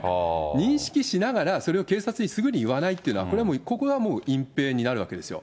認識しながら、それを警察にすぐに言わないということは、これはもう、ここは隠蔽になるわけですよ。